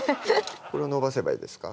これを延ばせばいいですか